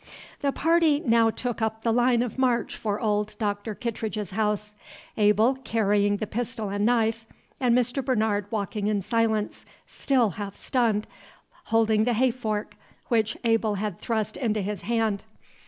The party now took up the line of march for old Doctor Kittredge's house, Abel carrying the pistol and knife, and Mr. Bernard walking in silence, still half stunned, holding the hay fork, which Abel had thrust into his hand.